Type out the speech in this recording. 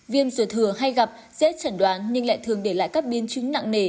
viêm ruột thừa hay gặp dễ chẩn đoán nhưng lại thường để lại các biến chứng nặng nề